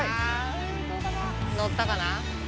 のったかな？